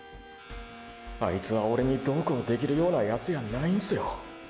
あいつはオレにどうこうできるようなヤツやないんすよ！！